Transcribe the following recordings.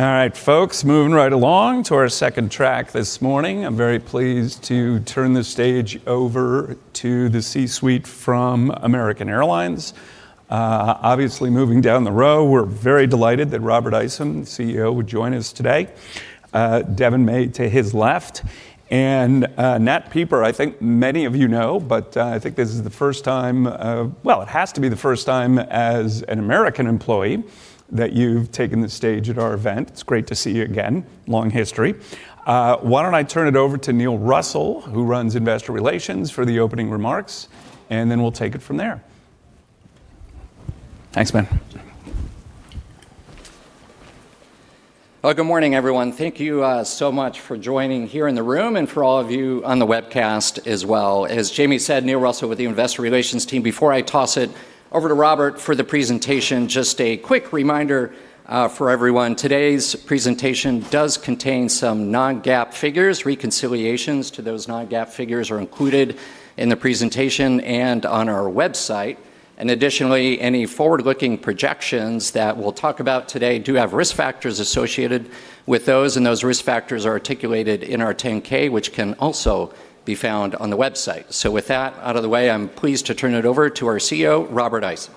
All right, folks, moving right along to our second track this morning. I'm very pleased to turn the stage over to the C-suite from American Airlines. Obviously moving down the row, we're very delighted that Robert Isom, CEO, would join us today. Devon May to his left and, Nat Pieper, I think many of you know, but, I think this is the first time, well, it has to be the first time as an American employee that you've taken the stage at our event. It's great to see you again. Long history. Why don't I turn it over to Neil Russell, who runs investor relations, for the opening remarks, and then we'll take it from there. Thanks, man. Well, good morning, everyone. Thank you, so much for joining here in the room and for all of you on the webcast as well. As Jamie said, Neil Russell with the investor relations team. Before I toss it over to Robert for the presentation, just a quick reminder, for everyone, today's presentation does contain some non-GAAP figures. Reconciliations to those non-GAAP figures are included in the presentation and on our website. Additionally, any forward-looking projections that we'll talk about today do have risk factors associated with those, and those risk factors are articulated in our 10-K, which can also be found on the website. With that out of the way, I'm pleased to turn it over to our CEO, Robert Isom.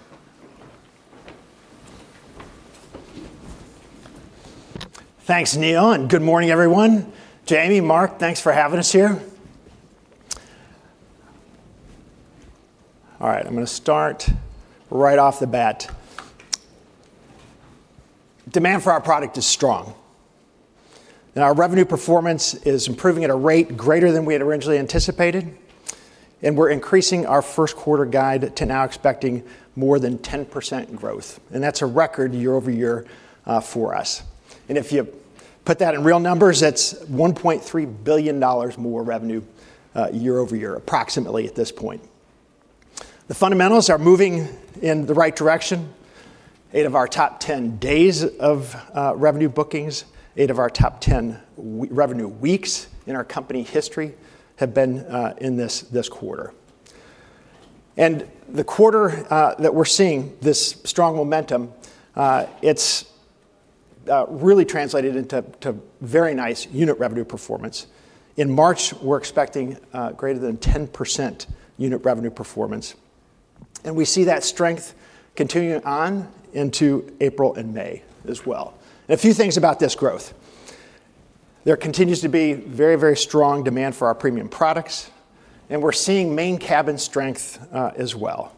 Thanks, Neil, and good morning, everyone. Jamie, Mark, thanks for having us here. All right. I'm gonna start right off the bat. Demand for our product is strong, and our revenue performance is improving at a rate greater than we had originally anticipated, and we're increasing our first quarter guide to now expecting more than 10% growth. That's a record YoY for us. If you put that in real numbers, that's $1.3 billion more revenue YoY, approximately at this point. The fundamentals are moving in the right direction. Eight of our top 10 days of revenue bookings, eight of our top 10 revenue weeks in our company history have been in this quarter. The quarter that we're seeing this strong momentum, it's really translated into very nice unit revenue performance. In March, we're expecting greater than 10% unit revenue performance, and we see that strength continuing on into April and May as well. A few things about this growth. There continues to be very, very strong demand for our premium products, and we're seeing main cabin strength as well.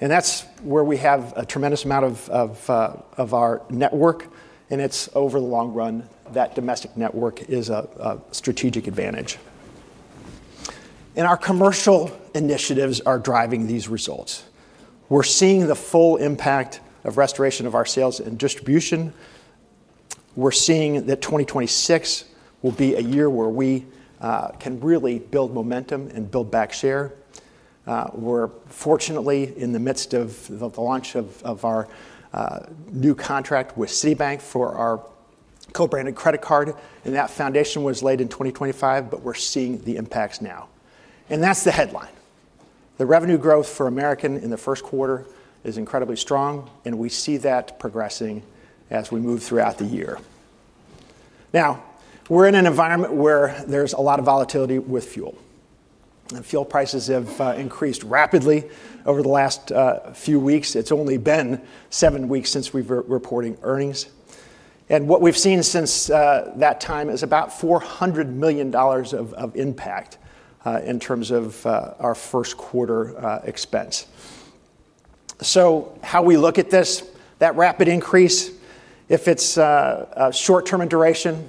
That's where we have a tremendous amount of our network, and it's over the long run that domestic network is a strategic advantage. Our commercial initiatives are driving these results. We're seeing the full impact of restoration of our sales and distribution. We're seeing that 2026 will be a year where we can really build momentum and build back share. We're fortunately in the midst of the launch of our new contract with Citibank for our co-branded credit card, and that foundation was laid in 2025, but we're seeing the impacts now. That's the headline. The revenue growth for American in the first quarter is incredibly strong, and we see that progressing as we move throughout the year. Now, we're in an environment where there's a lot of volatility with fuel, and fuel prices have increased rapidly over the last few weeks. It's only been seven weeks since we've reported earnings. What we've seen since that time is about $400 million of impact in terms of our first quarter expense. How we look at this, that rapid increase, if it's a short-term in duration,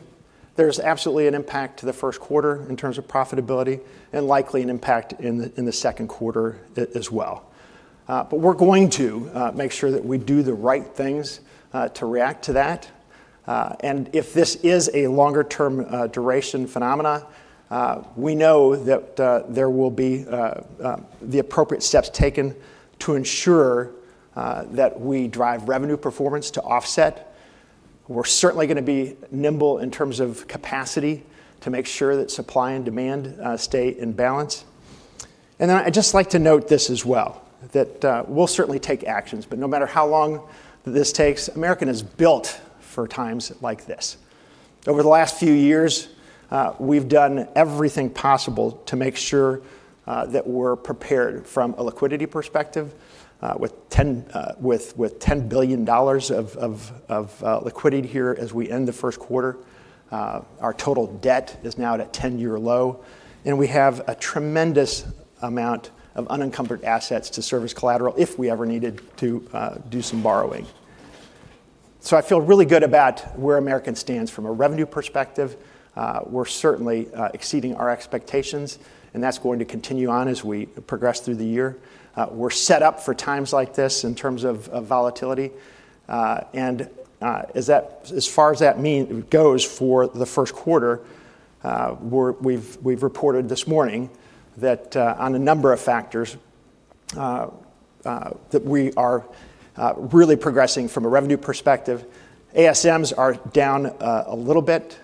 there's absolutely an impact to the first quarter in terms of profitability and likely an impact in the second quarter as well. We're going to make sure that we do the right things to react to that. If this is a longer-term duration phenomena, we know that there will be the appropriate steps taken to ensure that we drive revenue performance to offset. We're certainly gonna be nimble in terms of capacity to make sure that supply and demand stay in balance. I'd just like to note this as well, that we'll certainly take actions, but no matter how long this takes, American is built for times like this. Over the last few years, we've done everything possible to make sure that we're prepared from a liquidity perspective, with $10 billion of liquidity here as we end the first quarter. Our total debt is now at a 10-year low, and we have a tremendous amount of unencumbered assets to serve as collateral if we ever needed to do some borrowing. I feel really good about where American stands from a revenue perspective. We're certainly exceeding our expectations, and that's going to continue on as we progress through the year. We're set up for times like this in terms of volatility. As far as that goes for the first quarter, we've reported this morning that on a number of factors that we are really progressing from a revenue perspective. ASMs are down a little bit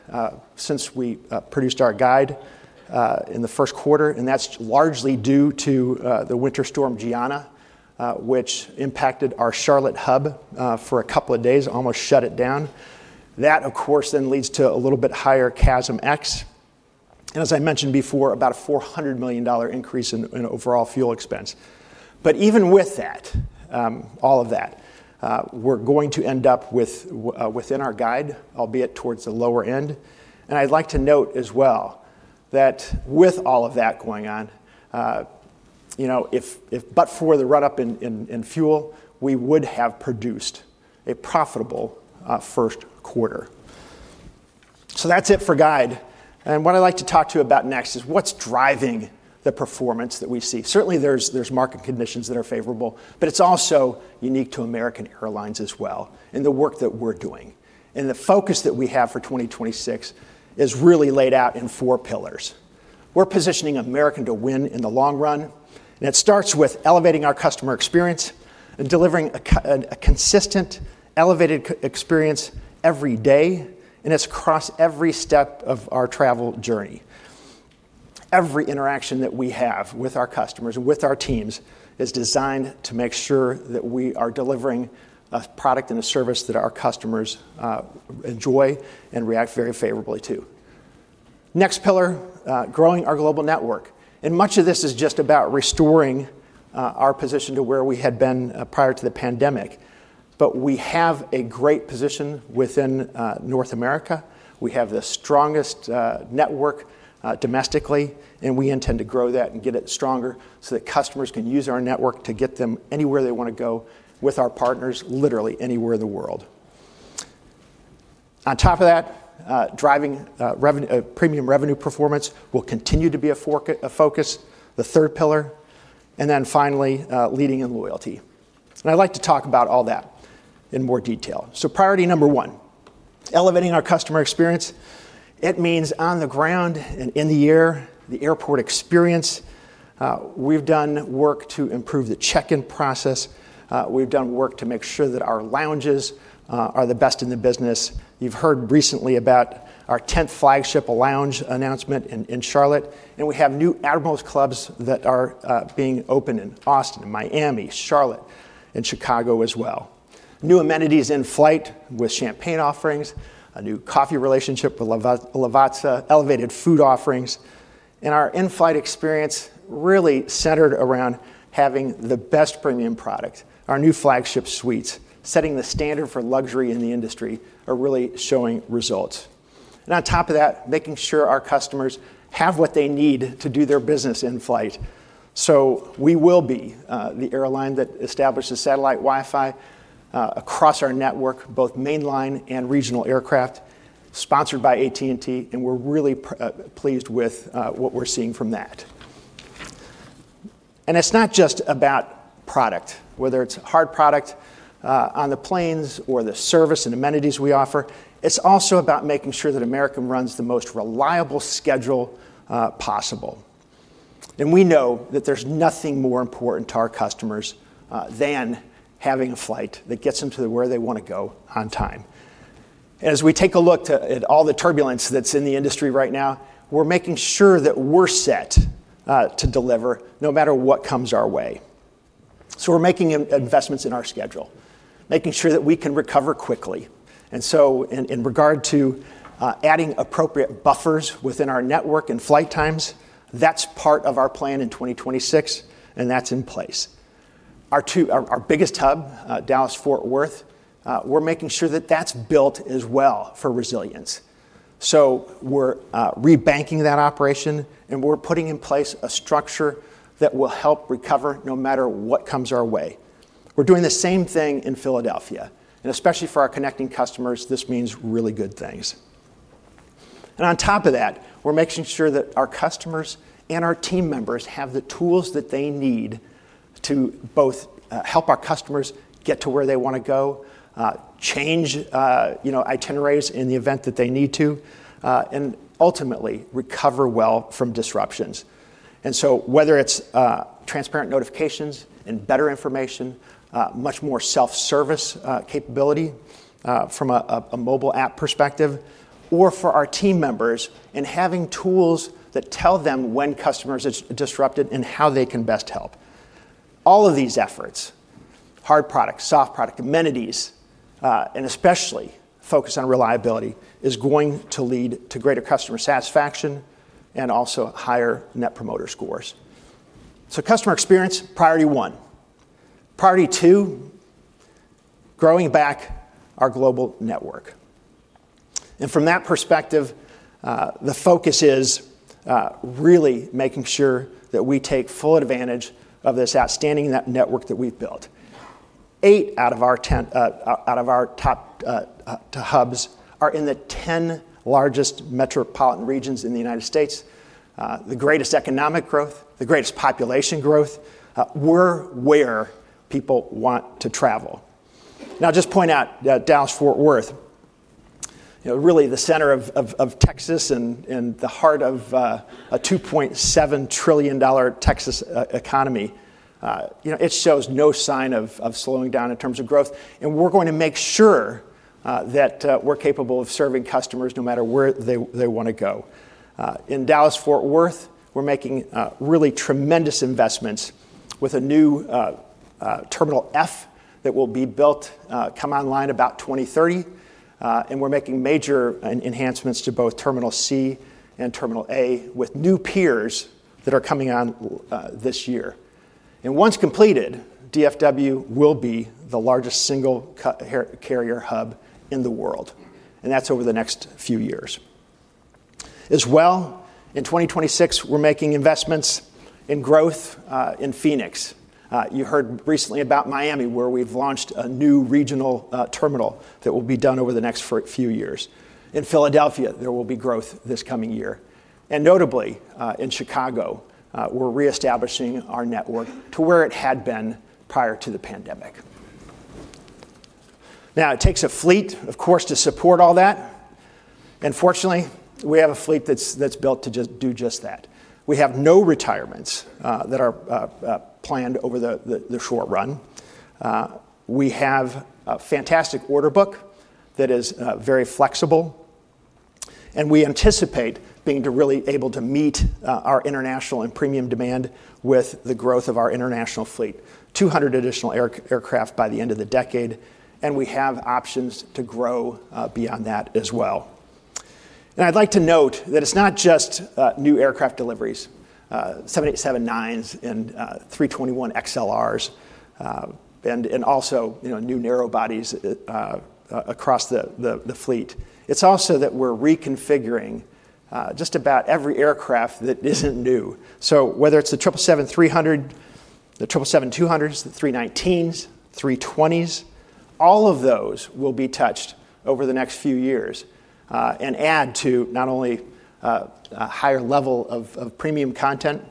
since we produced our guide in the first quarter, and that's largely due to the Winter Storm Gianna, which impacted our Charlotte hub for a couple of days, almost shut it down. That, of course, then leads to a little bit higher CASM-ex. As I mentioned before, about a $400 million increase in overall fuel expense. Even with that, all of that, we're going to end up within our guide, albeit towards the lower end. I'd like to note as well that with all of that going on, if but for the run-up in fuel, we would have produced a profitable first quarter. That's it for guide. What I'd like to talk to you about next is what's driving the performance that we see. Certainly there's market conditions that are favorable, but it's also unique to American Airlines as well, and the work that we're doing. The focus that we have for 2026 is really laid out in four pillars. We're positioning American to win in the long run, and it starts with elevating our customer experience and delivering a consistent, elevated customer experience every day, and it's across every step of our travel journey. Every interaction that we have with our customers and with our teams is designed to make sure that we are delivering a product and a service that our customers, enjoy and react very favorably to. Next pillar, growing our global network. Much of this is just about restoring, our position to where we had been, prior to the pandemic. We have a great position within, North America. We have the strongest, network, domestically, and we intend to grow that and get it stronger so that customers can use our network to get them anywhere they wanna go with our partners, literally anywhere in the world. On top of that, driving premium revenue performance will continue to be a focus, the third pillar, and then finally, leading in loyalty. I'd like to talk about all that in more detail. Priority number one, elevating our customer experience. It means on the ground and in the air, the airport experience. We've done work to improve the check-in process. We've done work to make sure that our lounges are the best in the business. You've heard recently about our tenth Flagship Lounge announcement in Charlotte, and we have new Admirals Clubs that are being opened in Austin, Miami, Charlotte, and Chicago as well. New amenities in flight with champagne offerings, a new coffee relationship with Lavazza, elevated food offerings, and our in-flight experience really centered around having the best premium product. Our new Flagship Suites, setting the standard for luxury in the industry, are really showing results. On top of that, making sure our customers have what they need to do their business in flight. We will be the airline that establishes satellite Wi-Fi across our network, both mainline and regional aircraft, sponsored by AT&T, and we're really pleased with what we're seeing from that. It's not just about product, whether it's hard product on the planes or the service and amenities we offer. It's also about making sure that American runs the most reliable schedule possible. We know that there's nothing more important to our customers than having a flight that gets them to where they wanna go on time. As we take a look at all the turbulence that's in the industry right now, we're making sure that we're set to deliver no matter what comes our way. We're making investments in our schedule, making sure that we can recover quickly. In regard to adding appropriate buffers within our network and flight times, that's part of our plan in 2026, and that's in place. Our biggest hub, Dallas-Fort Worth, we're making sure that that's built as well for resilience. We're re-banking that operation, and we're putting in place a structure that will help recover no matter what comes our way. We're doing the same thing in Philadelphia, and especially for our connecting customers, this means really good things. On top of that, we're making sure that our customers and our team members have the tools that they need to both help our customers get to where they wanna go, change, you know, itineraries in the event that they need to, and ultimately recover well from disruptions. Whether it's transparent notifications and better information, much more self-service capability from a mobile app perspective, or for our team members and having tools that tell them when customers are disrupted and how they can best help. All of these efforts, hard products, soft product, amenities, and especially focus on reliability, is going to lead to greater customer satisfaction and also higher net promoter scores. Customer experience, priority one. Priority two, growing back our global network. From that perspective, the focus is really making sure that we take full advantage of this outstanding network that we've built. Eight out of our top ten hubs are in the ten largest metropolitan regions in the United States, the greatest economic growth, the greatest population growth. We're where people want to travel. Now, just point out that Dallas-Fort Worth, you know, really the center of Texas and the heart of a $2.7 trillion Texas economy, you know, it shows no sign of slowing down in terms of growth. We're going to make sure that we're capable of serving customers no matter where they wanna go. In Dallas-Fort Worth, we're making really tremendous investments. With a new Terminal F that will be built come online about 2030. We're making major enhancements to both Terminal C and Terminal A with new piers that are coming on this year. Once completed, DFW will be the largest single carrier hub in the world, and that's over the next few years. As well, in 2026, we're making investments in growth in Phoenix. You heard recently about Miami, where we've launched a new regional terminal that will be done over the next few years. In Philadelphia, there will be growth this coming year, and notably in Chicago, we're reestablishing our network to where it had been prior to the pandemic. Now, it takes a fleet, of course, to support all that, and fortunately, we have a fleet that's built to just do just that. We have no retirements that are planned over the short run. We have a fantastic order book that is very flexible, and we anticipate being to really able to meet our international and premium demand with the growth of our international fleet. 200 additional aircraft by the end of the decade, and we have options to grow beyond that as well. I'd like to note that it's not just new aircraft deliveries, 787-9s and A321XLRs, and also, you know, new narrow bodies across the fleet. It's also that we're reconfiguring just about every aircraft that isn't new. Whether it's the Boeing 777-300, the Boeing 777-200s, the Airbus A319s, Airbus A320s, all of those will be touched over the next few years, and add to not only a higher level of premium content,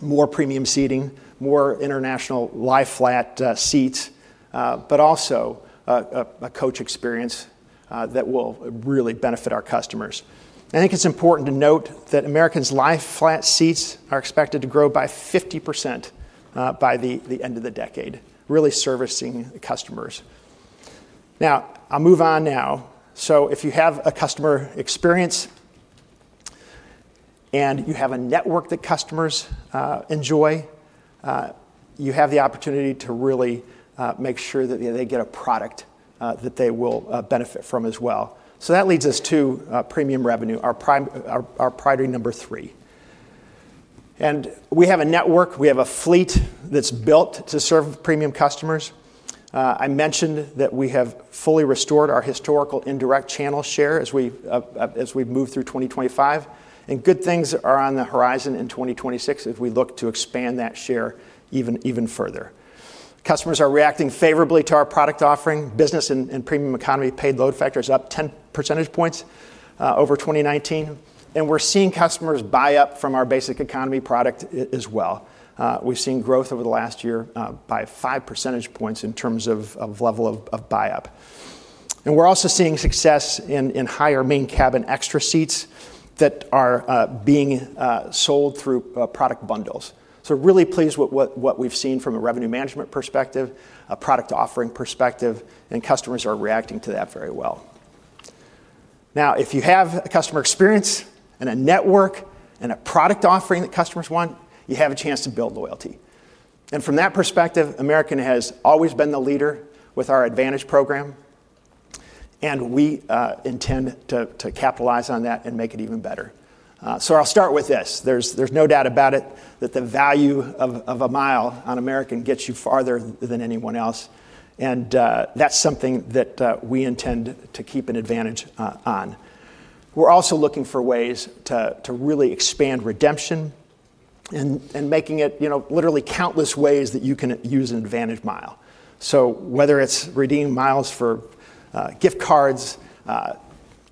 more premium seating, more international lie-flat seats, but also a coach experience that will really benefit our customers. I think it's important to note that American's lie-flat seats are expected to grow by 50%, by the end of the decade, really servicing the customers. Now, I'll move on now. If you have a customer experience, and you have a network that customers enjoy, you have the opportunity to really make sure that they get a product that they will benefit from as well. That leads us to premium revenue, our priority number three. We have a network, we have a fleet that's built to serve premium customers. I mentioned that we have fully restored our historical indirect channel share as we've moved through 2025, and good things are on the horizon in 2026 as we look to expand that share even further. Customers are reacting favorably to our product offering. Business and premium economy paid load factors up 10 percentage points over 2019, and we're seeing customers buy up from our basic economy product as well. We've seen growth over the last year by five percentage points in terms of level of buy-up. We're also seeing success in higher Main Cabin Extra seats that are being sold through product bundles. Really pleased with what we've seen from a revenue management perspective, a product offering perspective, and customers are reacting to that very well. Now, if you have a customer experience and a network and a product offering that customers want, you have a chance to build loyalty. From that perspective, American has always been the leader with our AAdvantage program, and we intend to capitalize on that and make it even better. I'll start with this. There's no doubt about it that the value of a mile on American gets you farther than anyone else, and that's something that we intend to keep an advantage on. We're also looking for ways to really expand redemption and making it, you know, literally countless ways that you can use an AAdvantage mile. So whether it's redeeming miles for gift cards,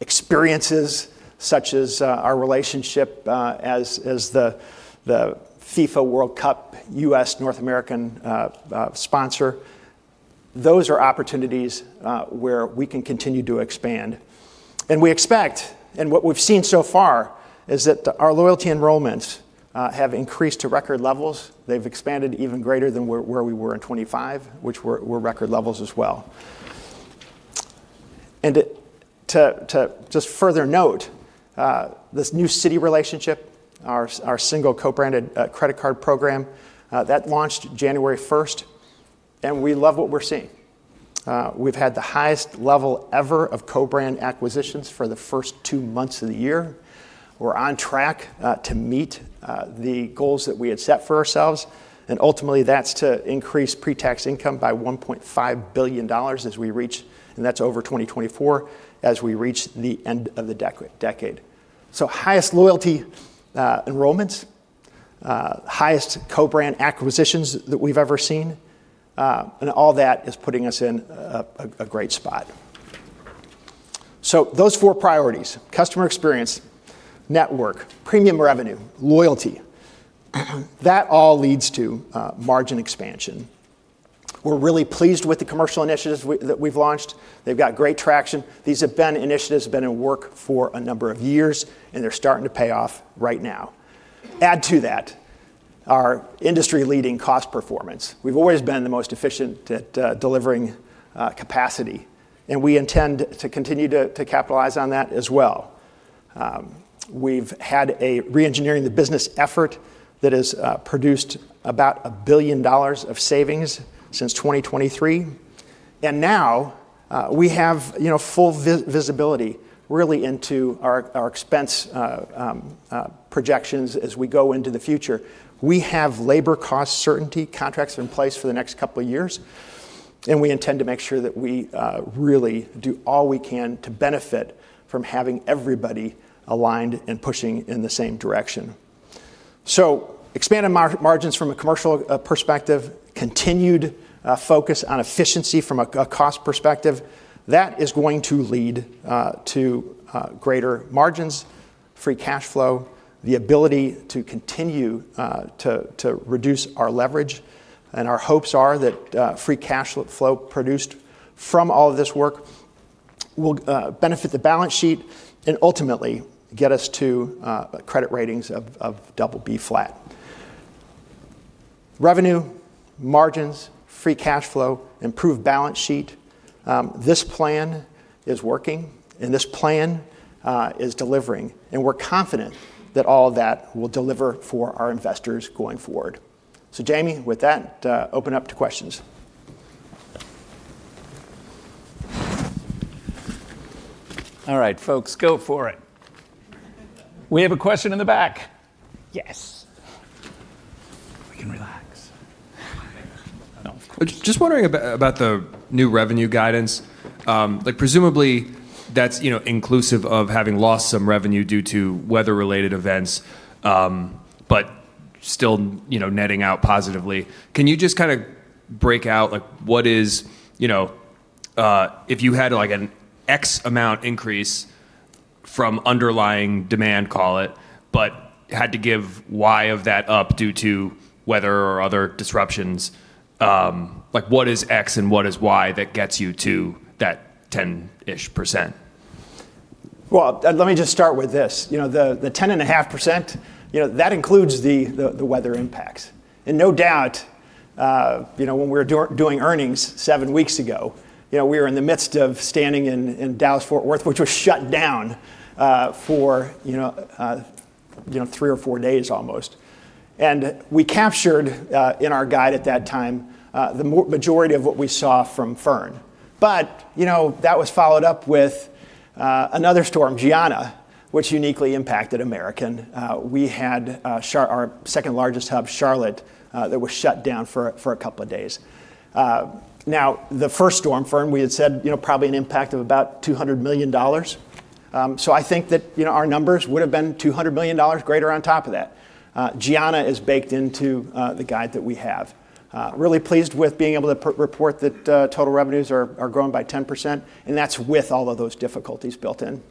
experiences such as our relationship as the FIFA World Cup U.S. North American sponsor, those are opportunities where we can continue to expand. We expect what we've seen so far is that our loyalty enrollments have increased to record levels. They've expanded even greater than where we were in 2025, which were record levels as well. To just further note this new Citi relationship, our single co-branded credit card program that launched January first, and we love what we're seeing. We've had the highest level ever of co-brand acquisitions for the first two months of the year. We're on track to meet the goals that we had set for ourselves, and ultimately, that's to increase pre-tax income by $1.5 billion as we reach the end of the decade. That's over 2024. Highest loyalty enrollments, highest co-brand acquisitions that we've ever seen, and all that is putting us in a great spot. Those four priorities, customer experience, network, premium revenue, loyalty, that all leads to margin expansion. We're really pleased with the commercial initiatives we've launched. They've got great traction. These have been initiatives that have been in work for a number of years, and they're starting to pay off right now. Add to that our industry-leading cost performance. We've always been the most efficient at delivering capacity, and we intend to continue to capitalize on that as well. We've had a reengineering the business effort that has produced about $1 billion of savings since 2023. Now we have, you know, full visibility really into our expense projections as we go into the future. We have labor cost certainty contracts in place for the next couple of years, and we intend to make sure that we really do all we can to benefit from having everybody aligned and pushing in the same direction. Expanding margins from a commercial perspective, continued focus on efficiency from a cost perspective, that is going to lead to greater margins, free cash flow, the ability to continue to reduce our leverage. Our hopes are that free cash flow produced from all of this work will benefit the balance sheet and ultimately get us to credit ratings of BB flat. Revenue, margins, free cash flow, improved balance sheet, this plan is working and this plan is delivering, and we're confident that all of that will deliver for our investors going forward. Jamie, with that, open up to questions. All right, folks, go for it. We have a question in the back. Yes. We can relax. Just wondering about the new revenue guidance. Like presumably that's, you know, inclusive of having lost some revenue due to weather related events, but still, you know, netting out positively. Can you just kinda break out, like what is, you know, if you had like an X amount increase from underlying demand, call it, but had to give Y of that up due to weather or other disruptions, like what is X and what is Y that gets you to that 10%-ish? Well, let me just start with this. You know, the 10.5%, you know, that includes the weather impacts. No doubt, you know, when we're doing earnings seven weeks ago, you know, we were stranded in Dallas-Fort Worth, which was shut down for three or four days almost. We captured in our guide at that time the majority of what we saw from Fern. You know, that was followed up with another storm, Gianna, which uniquely impacted American. We had our second-largest hub, Charlotte, that was shut down for a couple of days. Now, the first storm, Fern, we had said, you know, probably an impact of about $200 million. I think that, you know, our numbers would have been $200 million greater on top of that. Gianna is baked into the guide that we have. Really pleased with being able to re-report that total revenues are growing by 10%, and that's with all of those difficulties built in.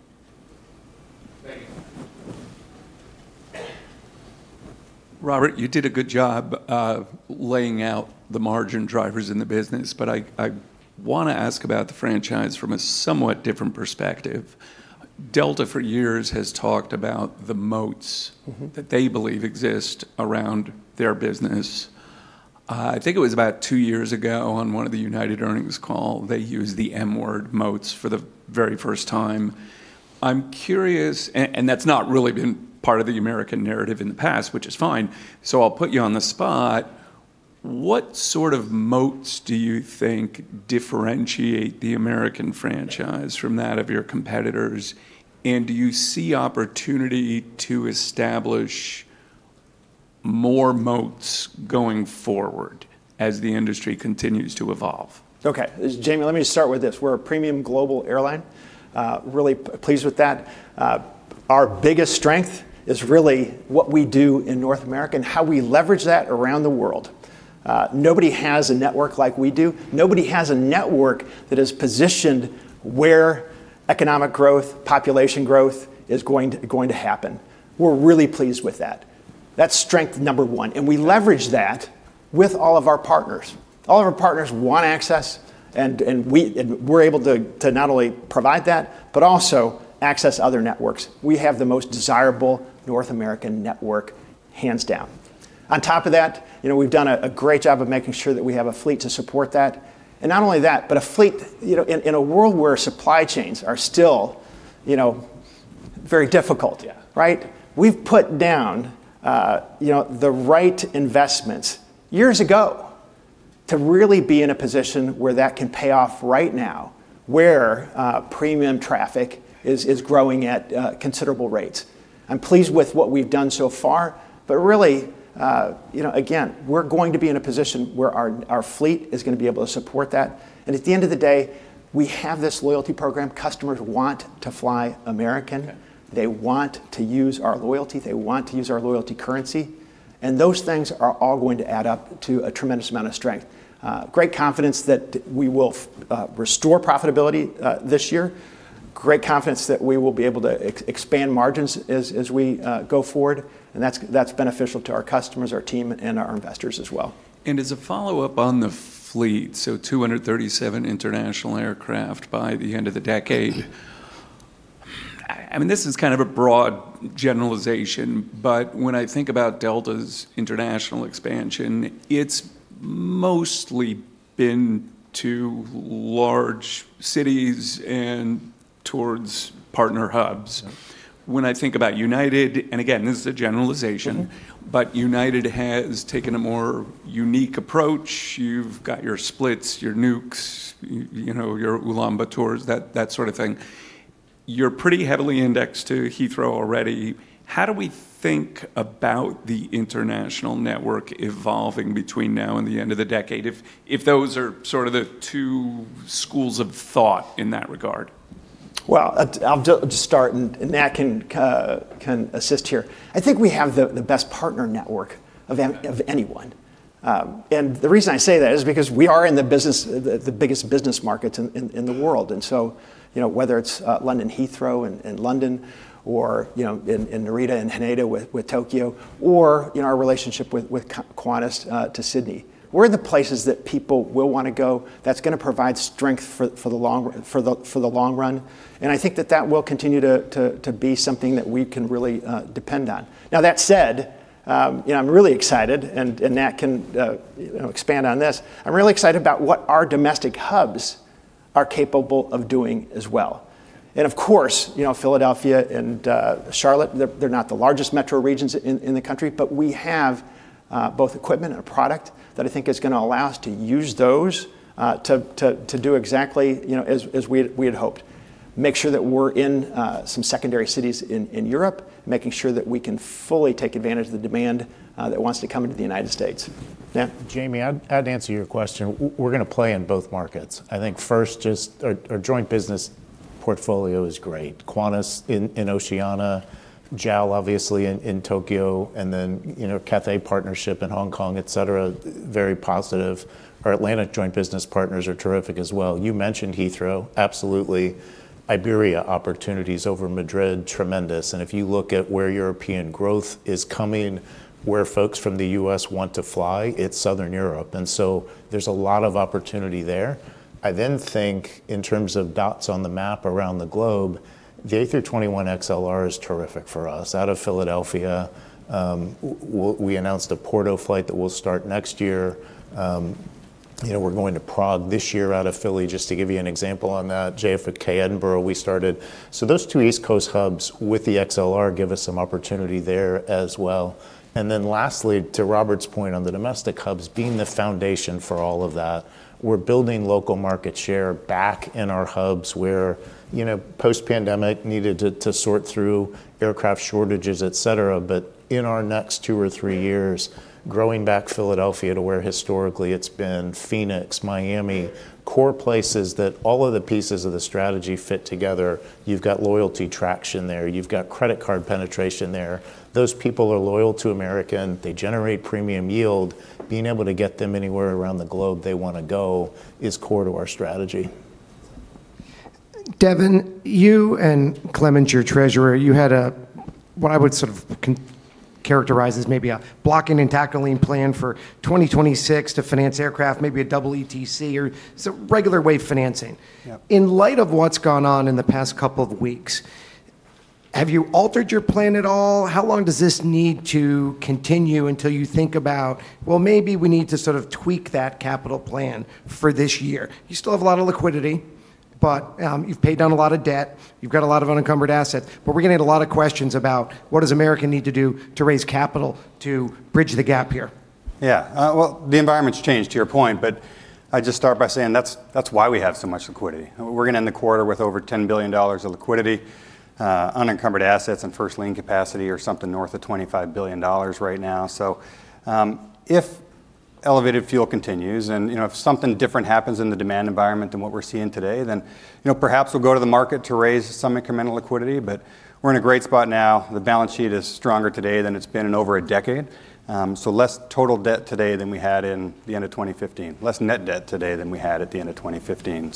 Thank you. Robert, you did a good job of laying out the margin drivers in the business, but I wanna ask about the franchise from a somewhat different perspective. Delta for years has talked about the moats- Mm-hmm -that they believe exist around their business. I think it was about two years ago on one of the United earnings calls, they used the M word, moats, for the very first time. I'm curious. That's not really been part of the American narrative in the past, which is fine. I'll put you on the spot. What sort of moats do you think differentiate the American franchise from that of your competitors? Do you see opportunity to establish more moats going forward as the industry continues to evolve? Okay. Jamie, let me start with this. We're a premium global airline. Really pleased with that. Our biggest strength is really what we do in North America and how we leverage that around the world. Nobody has a network like we do. Nobody has a network that is positioned where economic growth, population growth is going to happen. We're really pleased with that. That's strength number one, and we leverage that with all of our partners. All of our partners want access, and we are able to not only provide that, but also access other networks. We have the most desirable North American network, hands down. On top of that, you know, we've done a great job of making sure that we have a fleet to support that. And not only that, but a fleet, you know, in a world where supply chains are still, you know, very difficult. Yeah. Right? We've put down, you know, the right investments years ago to really be in a position where that can pay off right now, where premium traffic is growing at considerable rates. I'm pleased with what we've done so far, but really, you know, again, we're going to be in a position where our fleet is gonna be able to support that. At the end of the day, we have this loyalty program. Customers want to fly American. Yeah. They want to use our loyalty. They want to use our loyalty currency. Those things are all going to add up to a tremendous amount of strength. Great confidence that we will restore profitability this year. Great confidence that we will be able to expand margins as we go forward. That's beneficial to our customers, our team, and our investors as well. As a follow-up on the fleet, so 237 international aircraft by the end of the decade. I mean, this is kind of a broad- Generalization, but when I think about Delta's international expansion, it's mostly been to large cities and towards partner hubs. Yeah. When I think about United, and again, this is a generalization. Mm-hmm United has taken a more unique approach. You've got your Split, your Nuuk, you know, your Ulaanbaatar, that sort of thing. You're pretty heavily indexed to Heathrow already. How do we think about the international network evolving between now and the end of the decade if those are sort of the two schools of thought in that regard? Well, I'll just start and Nat can assist here. I think we have the best partner network of anyone. The reason I say that is because we are in the biggest business markets in the world. You know, whether it's London Heathrow in London or, you know, in Narita and Haneda with Tokyo, or, you know, our relationship with Qantas to Sydney. We're the places that people will wanna go. That's gonna provide strength for the long run and I think that will continue to be something that we can really depend on. Now, that said, you know, I'm really excited and Nat can, you know, expand on this. I'm really excited about what our domestic hubs are capable of doing as well. Of course, you know, Philadelphia and Charlotte, they're not the largest metro regions in the country, but we have both equipment and a product that I think is gonna allow us to use those to do exactly, you know, as we had hoped. Make sure that we're in some secondary cities in Europe, making sure that we can fully take advantage of the demand that wants to come into the United States. Nat? Jamie, I'd answer your question we're gonna play in both markets. I think first just our joint business portfolio is great. Qantas in Oceania, JAL obviously in Tokyo, and then, you know, Cathay partnership in Hong Kong, et cetera, very positive. Our Atlantic joint business partners are terrific as well. You mentioned Heathrow, absolutely. Iberia opportunities over Madrid, tremendous. If you look at where European growth is coming, where folks from the U.S. want to fly, it's Southern Europe, and so there's a lot of opportunity there. I then think in terms of dots on the map around the globe, the A321XLR is terrific for us. Out of Philadelphia, we announced a Porto flight that will start next year. You know, we're going to Prague this year out of Philly, just to give you an example on that. JFK Edinburgh we started. Those two East Coast hubs with the XLR give us some opportunity there as well. Lastly, to Robert's point on the domestic hubs being the foundation for all of that, we're building local market share back in our hubs where, you know, post pandemic needed to sort through aircraft shortages, et cetera. In our next two or three years, growing back Philadelphia to where historically it's been Phoenix, Miami, core places that all of the pieces of the strategy fit together. You've got loyalty traction there. You've got credit card penetration there. Those people are loyal to American. They generate premium yield. Being able to get them anywhere around the globe they wanna go is core to our strategy. Devon, you and Clemens, your treasurer, you had a, what I would sort of characterize as maybe a blocking and tackling plan for 2026 to finance aircraft, maybe a double ETC or sort of regular way of financing. Yeah. In light of what's gone on in the past couple of weeks, have you altered your plan at all? How long does this need to continue until you think about, well, maybe we need to sort of tweak that capital plan for this year? You still have a lot of liquidity, but, you've paid down a lot of debt. You've got a lot of unencumbered assets, but we're gonna hit a lot of questions about what does American need to do to raise capital to bridge the gap here. Yeah. Well, the environment's changed to your point, but I'd just start by saying that's why we have so much liquidity. We're gonna end the quarter with over $10 billion of liquidity. Unencumbered assets and first lien capacity are something north of $25 billion right now. If elevated fuel continues and, you know, if something different happens in the demand environment than what we're seeing today, then, you know, perhaps we'll go to the market to raise some incremental liquidity. We're in a great spot now. The balance sheet is stronger today than it's been in over a decade. Less total debt today than we had at the end of 2015. Less net debt today than we had at the end of 2015.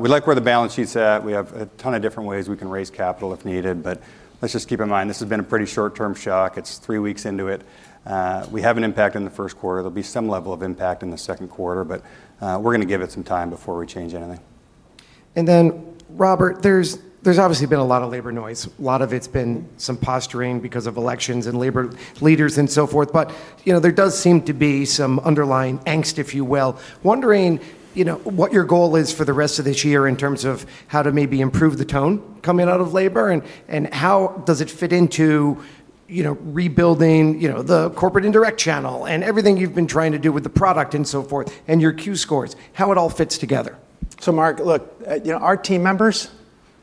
We like where the balance sheet's at. We have a ton of different ways we can raise capital if needed, but let's just keep in mind this has been a pretty short term shock. It's three weeks into it. We have an impact in the first quarter. There'll be some level of impact in the second quarter, but we're gonna give it some time before we change anything. Robert, there's obviously been a lot of labor noise. A lot of it's been some posturing because of elections and labor leaders and so forth. You know, there does seem to be some underlying angst, if you will. Wondering, you know, what your goal is for the rest of this year in terms of how to maybe improve the tone coming out of labor and how does it fit into, you know, rebuilding, you know, the corporate indirect channel and everything you've been trying to do with the product and so forth, and your NPS scores, how it all fits together? Mark, look, our team members,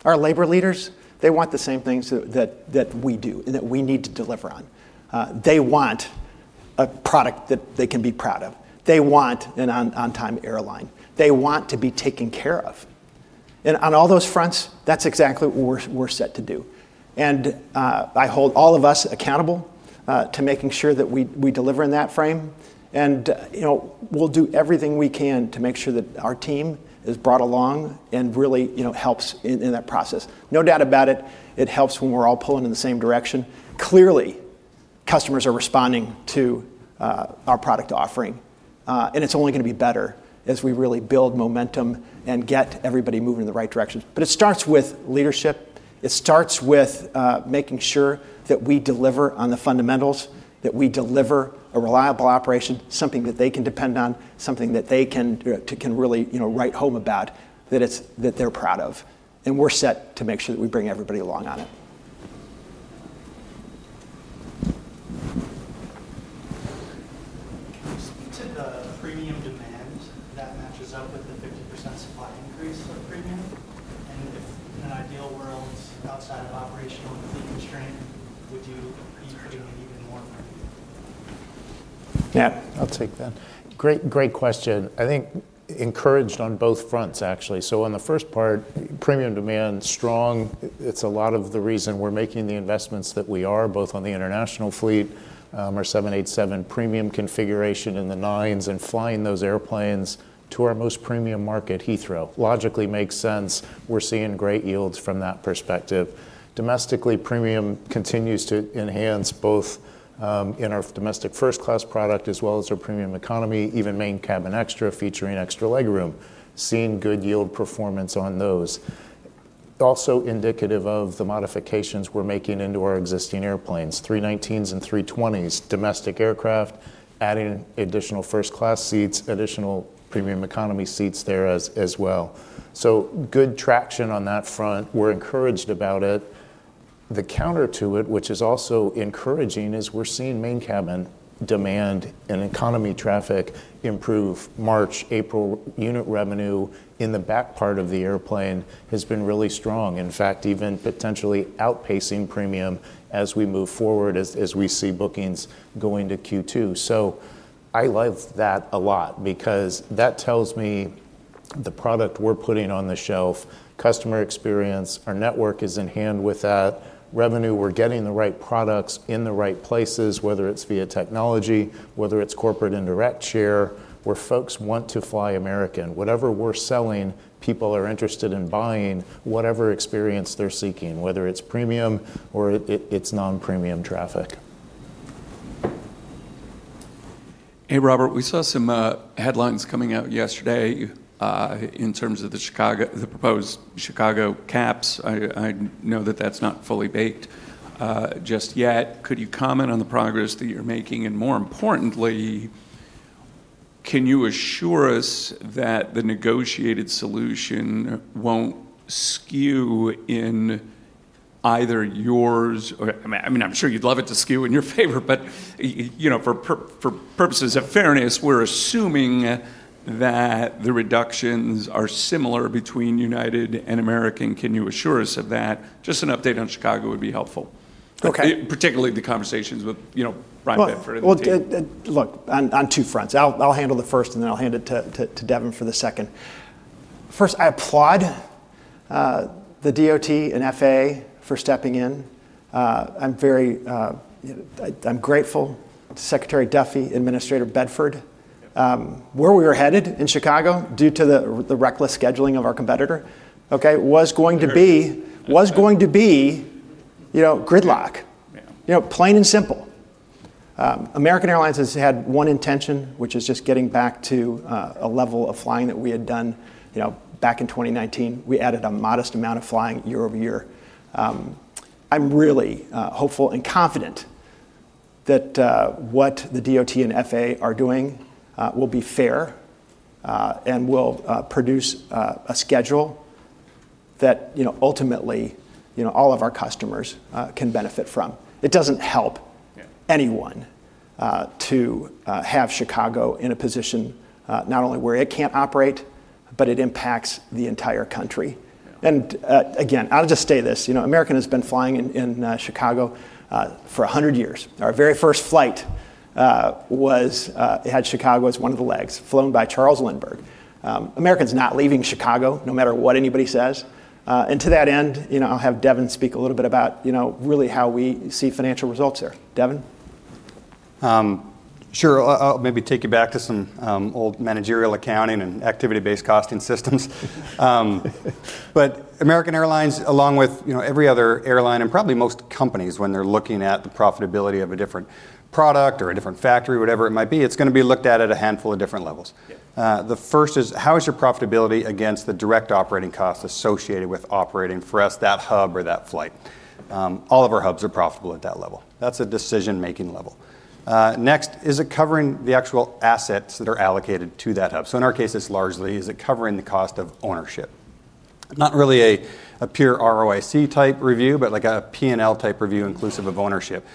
our labor leaders, they want the same things that we do and that we need to deliver on. They want a product that they can be proud of. They want an on-time airline. They want to be taken care of. On all those fronts, that's exactly what we're set to do. I hold all of us accountable to making sure that we deliver in that frame. We'll do everything we can to make sure that our team is brought along and really helps in that process. No doubt about it helps when we're all pulling in the same direction. Clearly, customers are responding to our product offering. It's only gonna be better as we really build momentum and get everybody moving in the right direction. It starts with leadership, making sure that we deliver on the fundamentals, that we deliver a reliable operation, something that they can depend on, something that they can really, you know, write home about, that they're proud of. We're set to make sure that we bring everybody along on it. Can you speak to the premium demand that matches up with the 50% supply increase of premium? If, in an ideal world, outside of operational and fleet constraint, would you be putting in even more premium? Yeah. I'll take that. Great question. I think encouraged on both fronts, actually. On the first part, premium demand's strong. It, it's a lot of the reason we're making the investments that we are, both on the international fleet, our 787 premium configuration in the 787-9s, and flying those airplanes to our most premium market, Heathrow. Logically makes sense. We're seeing great yields from that perspective. Domestically, premium continues to enhance both in our domestic first class product as well as our premium economy, even main cabin extra featuring extra legroom. Seeing good yield performance on those. Also indicative of the modifications we're making into our existing airplanes. 319s and Airbus A320, domestic aircraft, adding additional first class seats, additional premium economy seats there as well. Good traction on that front. We're encouraged about it. The counter to it, which is also encouraging, is we're seeing main cabin demand and economy traffic improve. March, April unit revenue in the back part of the airplane has been really strong. In fact, even potentially outpacing premium as we move forward, as we see bookings going to Q2. I like that a lot because that tells me the product we're putting on the shelf, customer experience, our network is in hand with that, revenue, we're getting the right products in the right places, whether it's via technology, whether it's corporate indirect share, where folks want to fly American. Whatever we're selling, people are interested in buying whatever experience they're seeking, whether it's premium or it's non-premium traffic. Hey, Robert. We saw some headlines coming out yesterday in terms of the proposed Chicago caps. I know that that's not fully baked just yet. Could you comment on the progress that you're making? More importantly, can you assure us that the negotiated solution won't skew in either yours or I mean, I'm sure you'd love it to skew in your favor, but you know, for purposes of fairness, we're assuming that the reductions are similar between United and American. Can you assure us of that? Just an update on Chicago would be helpful. Okay. Particularly the conversations with, you know, Bryan Bedford and the team. Well, look, on two fronts. I'll handle the first, and then I'll hand it to Devon for the second. First, I applaud the DOT and FAA for stepping in. I'm very, you know, I'm grateful to Secretary Duffy, Administrator Bedford. Where we were headed in Chicago due to the reckless scheduling of our competitor, okay, was going to be. Very- Was going to be, you know, gridlock. Yeah. You know, plain and simple. American Airlines has had one intention, which is just getting back to a level of flying that we had done, you know, back in 2019. We added a modest amount of flying YoY. I'm really hopeful and confident that what the DOT and FAA are doing will be fair and will produce a schedule that, you know, ultimately, you know, all of our customers can benefit from. It doesn't help- Yeah anyone to have Chicago in a position, not only where it can't operate, but it impacts the entire country. Yeah. Again, I'll just state this, you know, American has been flying in Chicago for 100 years. Our very first flight was it had Chicago as one of the legs, flown by Charles Lindbergh. American's not leaving Chicago, no matter what anybody says. To that end, you know, I'll have Devon speak a little bit about, you know, really how we see financial results there. Devon? Sure. I'll maybe take you back to some old managerial accounting and Activity-Based Costing systems. American Airlines, along with, you know, every other airline and probably most companies when they're looking at the profitability of a different product or a different factory, whatever it might be, it's gonna be looked at a handful of different levels. Yeah. The first is, how is your profitability against the direct operating costs associated with operating, for us, that hub or that flight? All of our hubs are profitable at that level. That's a decision-making level. Next, is it covering the actual assets that are allocated to that hub? In our case, it's largely, is it covering the cost of ownership? Not really a pure ROIC type review, but like a P&L type review inclusive of ownership.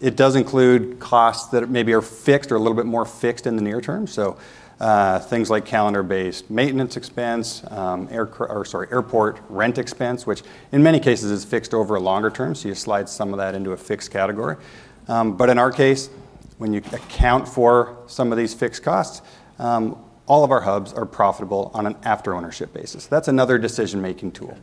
It does include costs that maybe are fixed or a little bit more fixed in the near term. Things like calendar-based maintenance expense, airport rent expense, which in many cases is fixed over a longer term, so you slide some of that into a fixed category. In our case, when you account for some of these fixed costs, all of our hubs are profitable on an after-ownership basis. That's another decision-making tool.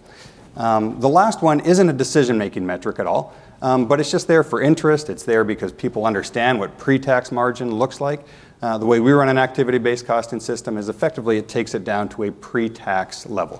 The last one isn't a decision-making metric at all. It's just there for interest. It's there because people understand what pre-tax margin looks like. The way we run an Activity-Based Costing system is effectively it takes it down to a pre-tax level.